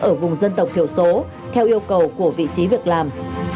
ở vùng dân tộc thiểu số theo yêu cầu của vị trí việc làm